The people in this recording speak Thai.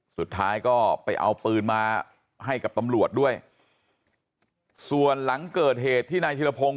สุดท้ายก็ไปเอาปืนมาให้กับตำรวจด้วยส่วนหลังเกิดเหตุที่นายธิรพงศ์